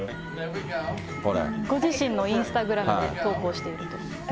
ご自身のインスタグラムに投稿していると。